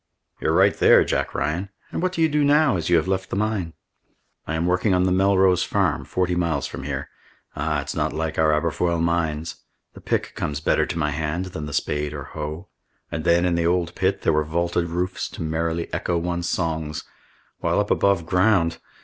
"You're right there, Jack Ryan. And what do you do now, as you have left the mine?" "I am working on the Melrose farm, forty miles from here. Ah, it's not like our Aberfoyle mines! The pick comes better to my hand than the spade or hoe. And then, in the old pit, there were vaulted roofs, to merrily echo one's songs, while up above ground!